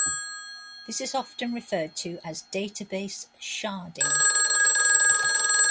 This is often referred to as "database sharding".